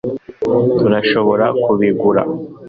turashobora kubigura